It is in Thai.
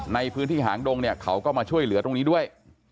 ในพื้นที่หางดงเนี่ยเขาก็มาช่วยเหลือตรงนี้ด้วย